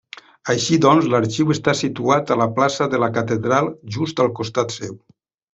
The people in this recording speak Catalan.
Així doncs, l'arxiu està situat a la plaça de la Catedral, just al costat seu.